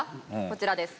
こちらです。